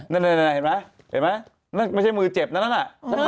นั่นเห็นไหมมันไม่ใช่มือเจ็บก็นั่นนะ